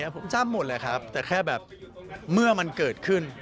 ผมจำหมดเลยครับแต่แค่แบบเมื่อมันเกิดขึ้น